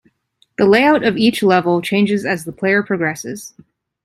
The layout of each level changes as the player progresses.